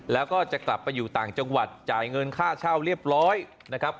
แล้วก็จะกลับไปอยู่ต่างจังหวัดจ่ายเงินค่าเช่าเรียบร้อยนะครับ